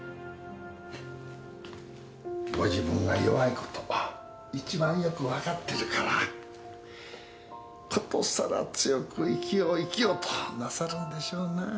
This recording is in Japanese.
ご自分が弱いこといちばんよく分かってるからことさら強く生きよう生きようとなさるんでしょうな。